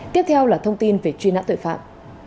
tiếp theo là thông tin về truy nã tội phạm